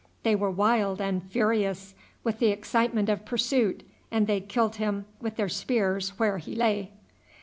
They were wild and furious with the excitement of pursuit, and they killed him with their spears where he lay.